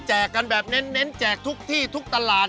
กันแบบเน้นแจกทุกที่ทุกตลาด